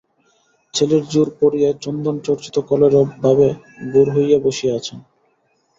চেলীর জোড় পরিয়া চন্দনচর্চিত কলেবরে ভাবে ভোর হইয়া বসিয়া আছেন।